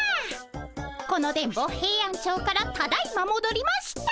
この電ボヘイアンチョウからただいまもどりました。